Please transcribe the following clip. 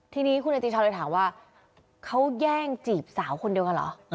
ทีนี้คุณอติชาวเลยถามว่าเขาแย่งจีบสาวคนเดียวกันเหรอ